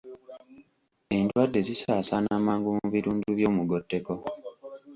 Endwadde zisaasaana mangu mu bitundu by'omugotteko